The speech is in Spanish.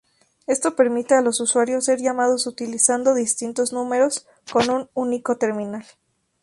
Esto permite a los usuarios ser llamados utilizando distintos números con un único terminal.